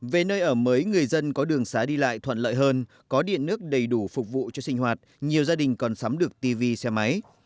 về nơi ở mới người dân có đường xá đi lại thuận lợi hơn có điện nước đầy đủ phục vụ cho sinh hoạt nhiều gia đình còn sắm được tv xe máy